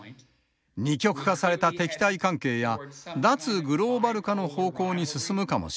二極化された敵対関係や脱グローバル化の方向に進むかもしれません。